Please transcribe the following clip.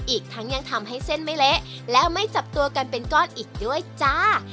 อีกทั้งยังทำให้เส้นไม่เละและไม่จับตัวกันเป็นก้อนอีกด้วยจ้า